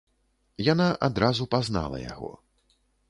Яна адразу пазнала яго.